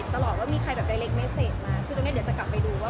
ดาวทำไมไม่ตัดสินใจถามพอร์ตไปเลยว่า